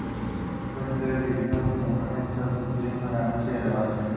Suelen ser utilizadas a frecuencias altas y tienen una ganancia elevada.